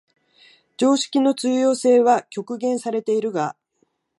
常識の通用性は局限されているが、